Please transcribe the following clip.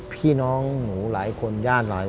พี่น้องหลายคนหลายย่าน